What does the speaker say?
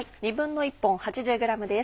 １／２本８０ｇです。